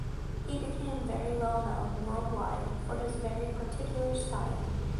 He became very well known worldwide for his very particular style.